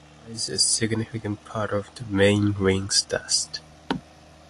Metis supplies a significant part of the main ring's dust.